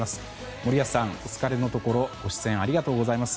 森保さん、お疲れのところご出演ありがとうございます。